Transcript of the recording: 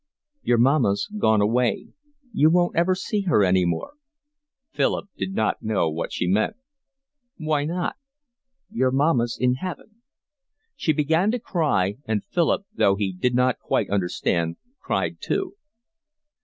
"Your mamma's gone away. You won't ever see her any more." Philip did not know what she meant. "Why not?" "Your mamma's in heaven." She began to cry, and Philip, though he did not quite understand, cried too.